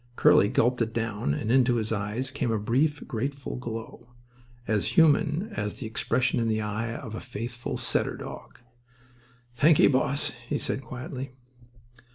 Curly gulped it down; and into his eyes came a brief, grateful glow—as human as the expression in the eye of a faithful setter dog. "Thanky, boss," he said, quietly.